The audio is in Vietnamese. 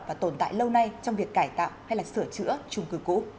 và tồn tại lâu nay trong việc cải tạo hay sửa chữa trung cư cũ